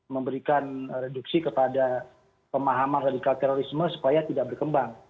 memberikan reduksi kepada pemahaman radikal terorisme supaya tidak berkembang